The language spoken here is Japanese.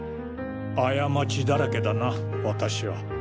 過ちだらけだな私は。